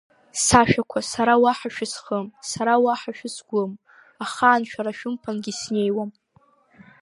Сашәақәа сара уаҳа шәысхым, сара уаҳа шәысгәым, ахаан шәара шәымԥангьы снеиуам!